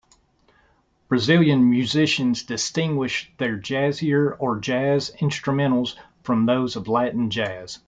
Brazilian musicians distinguish their jazzier or jazz instrumentals from those of Latin jazz.